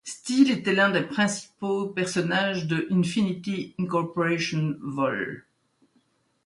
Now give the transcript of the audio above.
Steel était l'un des principaux personnages de Infinity Inc. vol.